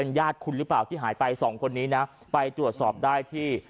อย่างญาติขุนหรือเปล่าที่หายไป๒คนนี้ไปตรวจสอบได้ที่